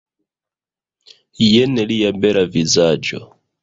Jen lia bela vizaĝo